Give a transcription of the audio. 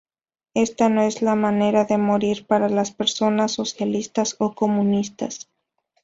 Esta no es la manera de morir para las personas socialistas o comunistas.